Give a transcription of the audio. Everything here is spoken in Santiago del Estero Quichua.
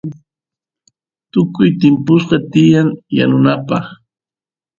tukuy timpusqa tiyan yanunapaq